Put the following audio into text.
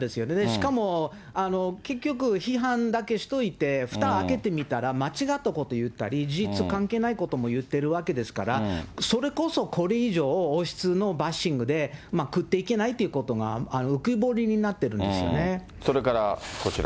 しかも結局、批判だけしといて、ふた開けてみたら、間違ったこと言ったり、事実関係ないことも言ってるわけですから、それこそこれ以上、王室のバッシングで食っていけないということが浮き彫りになってそれからこちら。